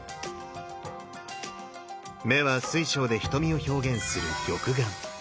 目は水晶で瞳を表現する玉眼。